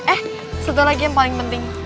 eh satu lagi yang paling penting